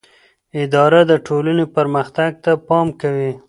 اداره د ټولنې پرمختګ ته پام کوي.